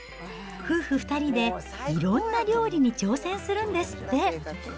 夫婦２人でいろんな料理に挑戦するんですって。